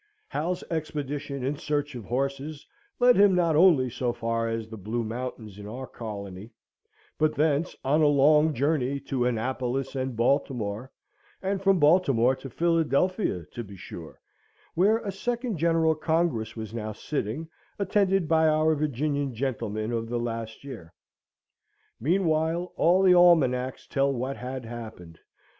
Hal's expedition in search of horses led him not only so far as the Blue Mountains in our colony, but thence on a long journey to Annapolis and Baltimore; and from Baltimore to Philadelphia, to be sure; where a second General Congress was now sitting, attended by our Virginian gentlemen of the last year. Meanwhile, all the almanacs tell what had happened.